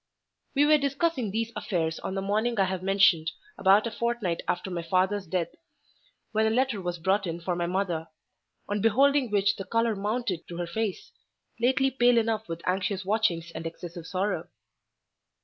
We were discussing these affairs on the morning I have mentioned, about a fortnight after my father's death, when a letter was brought in for my mother, on beholding which the colour mounted to her face—lately pale enough with anxious watchings and excessive sorrow.